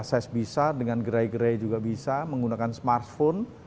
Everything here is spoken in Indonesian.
size bisa dengan gerai gerai juga bisa menggunakan smartphone